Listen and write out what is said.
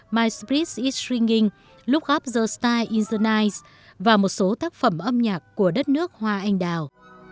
my spirit is ringing look up the star is nice và một số tác phẩm âm nhạc của đất nước hoa anh đào